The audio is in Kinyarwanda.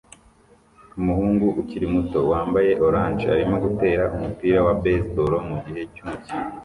Umuhungu ukiri muto wambaye orange arimo gutera umupira wa baseball mugihe cy'umukino